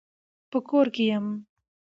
په کور کي يم .